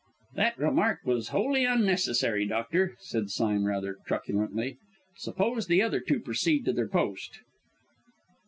"That remark was wholly unnecessary, doctor," said Sime rather truculently. "Suppose the other two proceed to their post."